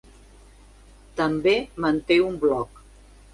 També manté un blog.